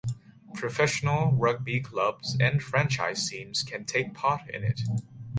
Professional rugby clubs and franchise teams can take part in it.